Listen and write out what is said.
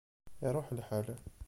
Iruḥ lḥal